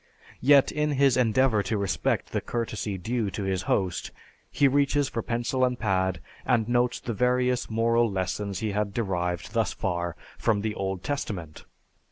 Yet, in his endeavor to respect the courtesy due to his host, he reaches for pencil and pad, and notes the various moral lessons he had derived thus far from the Old Testament.